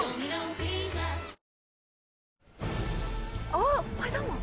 あっスパイダーマン。